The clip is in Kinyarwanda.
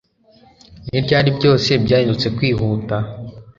ni ryari byose byahindutse kwihuta